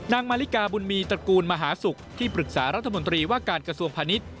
มาริกาบุญมีตระกูลมหาศุกร์ที่ปรึกษารัฐมนตรีว่าการกระทรวงพาณิชย์